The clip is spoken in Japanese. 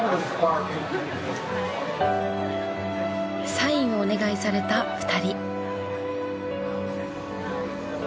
サインをお願いされた２人。